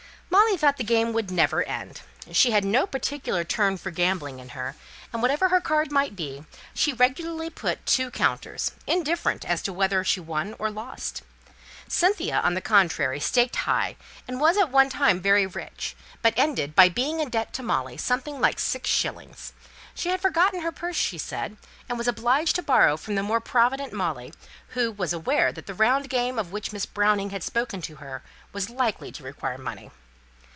Molly thought the game never would end. She had no particular turn for gambling in her; and whatever her card might be, she regularly put on two counters, indifferent as to whether she won or lost. Cynthia, on the contrary, staked high, and was at one time very rich, but ended by being in debt to Molly something like six shillings. She had forgotten her purse, she said, and was obliged to borrow from the more provident Molly, who was aware that the round game of which Miss Browning had spoken to her was likely to require money.